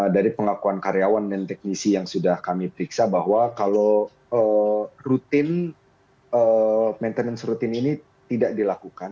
dari pengakuan karyawan dan teknisi yang sudah kami periksa bahwa kalau rutin maintenance rutin ini tidak dilakukan